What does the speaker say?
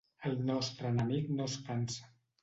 El nostre enemic no es cansa.